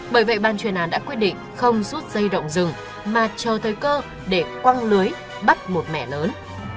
bởi vậy ban chuyên án đã quyết định không rút dây rộng rừng mà chờ thời cơ để quăng lưới bắt một mẻ lớn